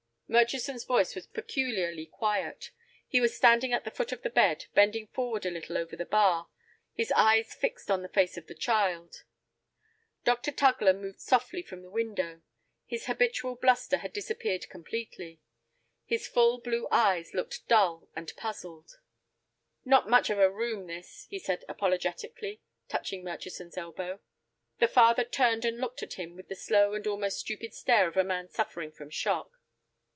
Murchison's voice was peculiarly quiet. He was standing at the foot of the bed, bending forward a little over the bar, his eyes fixed on the face of the child. Dr. Tugler moved softly from the window. His habitual bluster had disappeared completely. His full blue eyes looked dull and puzzled. "Not much of a room—this," he said, apologetically, touching Murchison's elbow. The father turned and looked at him with the slow and almost stupid stare of a man suffering from shock.